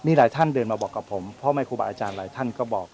นี่หลายท่านเดินมาบอกกับผมพ่อแม่ครูบาอาจารย์หลายท่านก็บอก